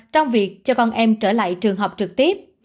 trong việc cho con em trở lại trường học trực tiếp